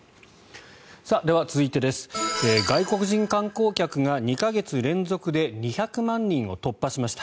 では、続いて外国人観光客が２か月連続で２００万人を突破しました。